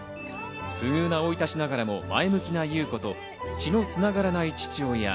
不遇な生い立ちながらも前向きな優子と血の繋がらない父親。